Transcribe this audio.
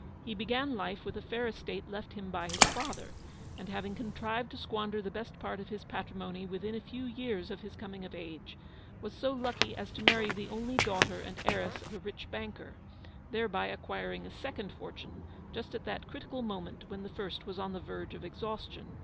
He began life with a fair estate left him by his father, and having contrived to squander the best part of his patrimony within a few years of his coming of age, was so lucky as to marry the only daughter and heiress of a rich banker, thereby acquiring a second fortune just at that critical moment when the first was on the verge of exhaustion.